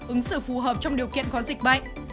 ứng xử phù hợp trong điều kiện có dịch bệnh